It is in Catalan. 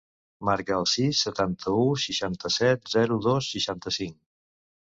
Marca el sis, setanta-u, seixanta-set, zero, dos, seixanta-cinc.